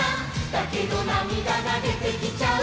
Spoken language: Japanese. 「だけどなみだがでてきちゃう」